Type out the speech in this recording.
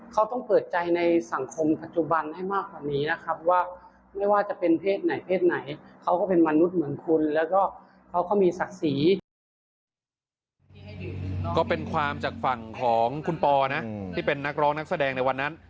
เขาต้องเปิดใจในสังคมปัจจุบันให้มากกว่านี้นะครับว่า